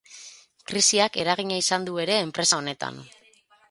Krisiak eragina izan du ere enpresa honetan.